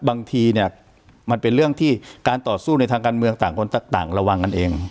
บางทีเนี่ยมันเป็นเรื่องที่การต่อสู้ในทางการเมืองต่างคนต่างระวังกันเอง